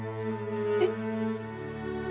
えっ。